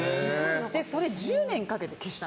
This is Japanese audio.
でそれ１０年かけて消したんですよ。